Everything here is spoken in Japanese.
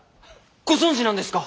ご存じなんですか！？